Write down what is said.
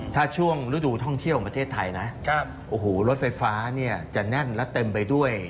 ถ้าช่วงฤดูท่องเที่ยวของประเทศไทยนะโอ้โหรถไฟฟ้าเนี่ยจะแน่นและเต็มไปด้วย